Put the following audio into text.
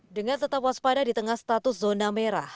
dengan tetap waspada di tengah status zona merah